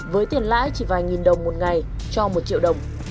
với tiền lãi chỉ vài nghìn đồng một ngày cho một triệu đồng